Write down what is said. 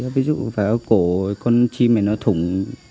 ví dụ phải ở cổ con chim này nó thủng